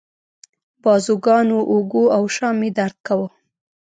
بازوګانو، اوږو او شا مې درد کاوه.